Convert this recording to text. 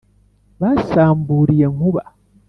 basamburiye nkuba,